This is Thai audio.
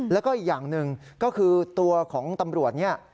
แล้วก็อีกอย่างหนึ่งก็คือตัวของตำรวจเนี่ย